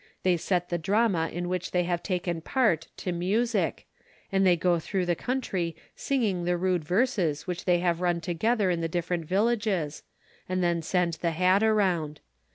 They set the drama in which they have taken part to music, and they go through the country singing the rude verses which they have run together in the different villages, and then send the hat around.